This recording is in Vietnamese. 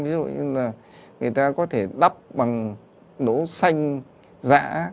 ví dụ như là người ta có thể đắp bằng nấu xanh giã